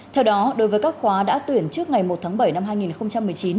theo đó đối với các khóa đã tuyển trước ngày một tháng bảy năm hai nghìn hai mươi